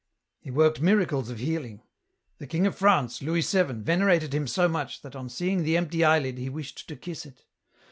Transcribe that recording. " He worked miracles of healing. The king of France, Louis Vn., venerated him so much that, on seeing the empty eyelid, he wished to kiss it.